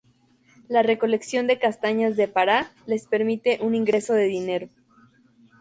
La recolección de castañas de Pará les permite un ingreso de dinero.